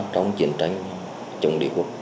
trong chiến tranh chống địa quốc